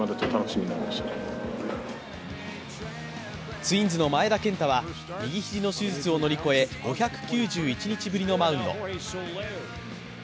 ツインズの前田健太は右肘の手術を乗り越え５９１日ぶりのマウンド。